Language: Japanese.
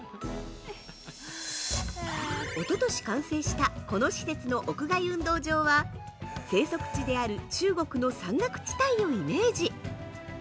おととし完成したこの施設の屋外運動場は生息地である中国の山岳地帯をイメージ。